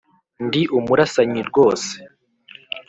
ndi umurasanyi rwose.